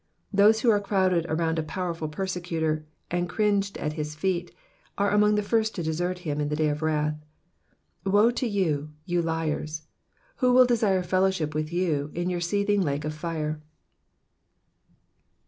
Those who crowded around a powerful persecutor, and cringed at his feet, are among the first to desert him in the day of wrath. Woe unto you, ye liars 1 Who will desire fellowship with you io. your seething lake of fire